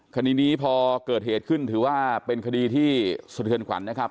คดีนี้พอเกิดเหตุขึ้นถือว่าเป็นคดีที่สะเทือนขวัญนะครับ